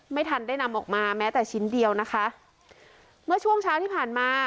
ไม่ทันได้นำออกมาแม้แต่ชิ้นเดียวนะคะเมื่อช่วงเช้าที่ผ่านมา